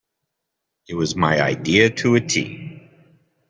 It was my idea to a tee.